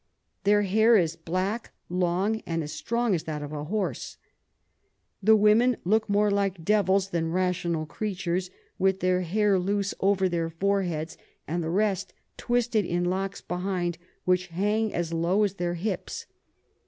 Their Hair is black, long, and as strong as that of a Horse. The Women look more like Devils than rational Creatures, with their Hair loose over their Foreheads, and the rest twisted in Locks behind, which hang as low as their Hips.